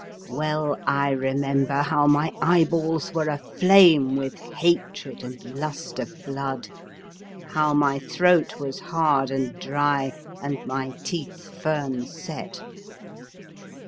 Well I remember how my eyeballs were aflame with hatred and lust of blood, how my throat was hard and dry and my teeth firm set.